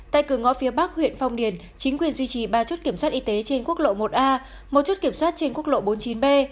tại cửa ngõ phía bắc huyện phong điền chính quyền duy trì ba chốt kiểm soát y tế trên quốc lộ một a một chút kiểm soát trên quốc lộ bốn mươi chín b